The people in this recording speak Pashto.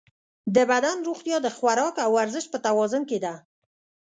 د بدن روغتیا د خوراک او ورزش په توازن کې ده.